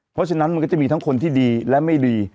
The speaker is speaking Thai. เพราะฉะนั้นมันก็จะมีทั้งคนที่ดีและไม่ดี